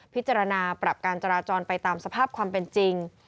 พิจารณาปรับการจราจรไปตามสภาพความเป็นจริง